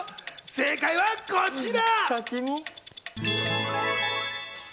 正解は、こちら！